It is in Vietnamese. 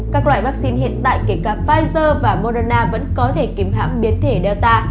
các loại vaccine hiện tại kể cả pfizer và moderna vẫn có thể kiếm hãm biến thể delta